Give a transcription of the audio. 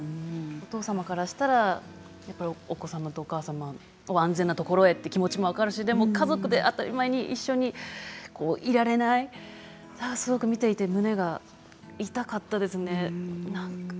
お父様からしたらお子様とお母様を安全なところにという気持ちも分かるし家族で当たり前にいられないすごく見ていて胸が痛かったですね。